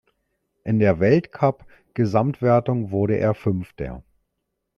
In der Weltcup-Gesamtwertung wurde er Fünfter.